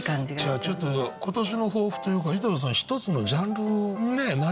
じゃあちょっと今年の抱負というか井戸田さん一つのジャンルをねえ。